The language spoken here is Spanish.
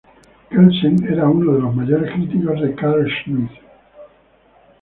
Kelsen, era uno de los mayores críticos de Carl Schmitt.